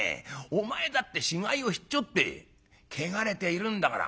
お前だって死骸をひっちょって汚れているんだから。